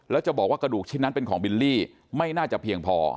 แล้วจะบอกว่ากระดูกชิ้นนั้นเป็นของบิลลี่ไม่น่าจะเพียงพอ